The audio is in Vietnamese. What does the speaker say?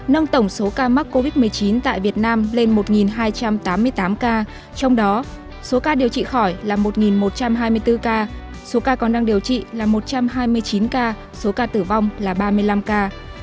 nâng tổng số ca mắc covid một mươi chín tại việt nam lên một hai trăm tám mươi tám ca trong đó số ca điều trị khỏi là một một trăm hai mươi bốn ca số ca còn đang điều trị là một trăm hai mươi chín ca số ca tử vong là ba mươi năm ca